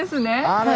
あれ？